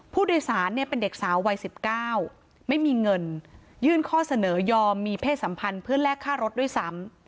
ผู้โดยสารเนี่ยเป็นเด็กสาววัย๑๙ไม่มีเงินยื่นข้อเสนอยอมมีเพศสัมพันธ์เพื่อแลกค่ารถด้วยซ้ำ